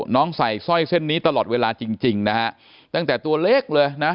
ใส่สร้อยเส้นนี้ตลอดเวลาจริงจริงนะฮะตั้งแต่ตัวเล็กเลยนะ